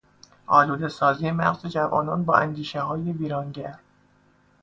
آلودهسازی مغز جوانان با اندیشههای ویرانگر